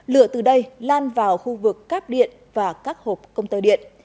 lửa từ đây lan vào khu vực cáp điện và các hộp công tơ điện